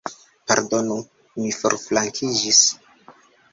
Pardonu, mi forflankiĝis.